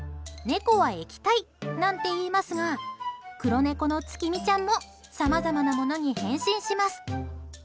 猫は液体なんていいますが黒猫のつきみちゃんもさまざまなものに変身します。